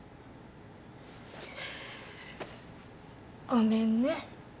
ごめんね。